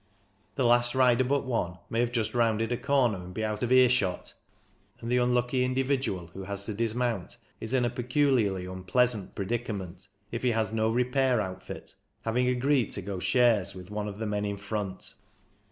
The last rider but one may have just rounded a corner, and be out of earshot, and the unlucky individual who has had to dismount is in a peculiarly unpleasant predicament if he has no repair outfit, having agreed to go shares with one of the men in front.